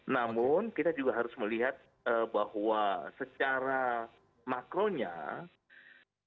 namun kita juga harus melihat bahwa secara ekonomi ini juga punya kemampuan ekonomi